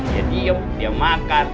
dia diem dia makan